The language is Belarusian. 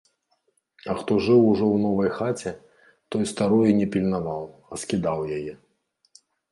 А хто жыў ужо ў новай хаце, той старую не пільнаваў, а скідаў яе.